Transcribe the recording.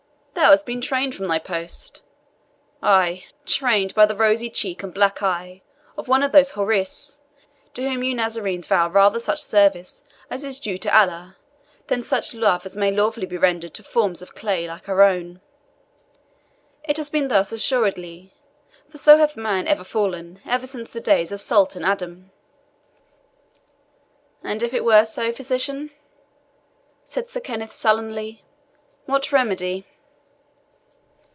Thou hast been trained from thy post ay, trained by the rosy cheek and black eye of one of those houris, to whom you Nazarenes vow rather such service as is due to Allah, than such love as may lawfully be rendered to forms of clay like our own. It has been thus assuredly; for so hath man ever fallen, even since the days of Sultan Adam." "And if it were so, physician," said Sir Kenneth sullenly, "what remedy?"